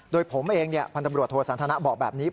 โดยผมเองพันธุ์ตำรวจโทรศาลธนาบอกแบบนี้